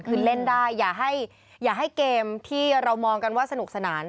คือเล่นได้อย่าให้เกมที่เรามองกันว่าสนุกสนาน